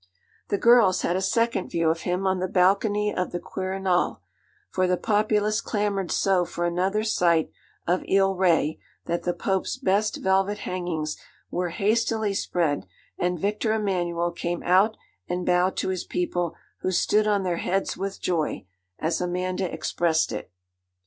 The girls had a second view of him on the balcony of the Quirinal; for the populace clamoured so for another sight of 'Il Rè,' that the Pope's best velvet hangings were hastily spread, and Victor Emmanuel came out and bowed to his people, 'who stood on their heads with joy,' as Amanda expressed it.